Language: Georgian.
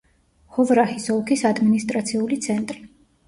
ჰოვრაჰის ოლქის ადმინისტრაციული ცენტრი.